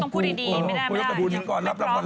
คุณต้องพูดดีไม่ได้ไม่ได้